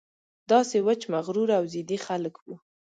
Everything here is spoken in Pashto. داسې وچ مغروره او ضدي خلک وو.